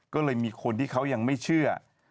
ก็เลยมีคนที่เขายังไม่เชื่อ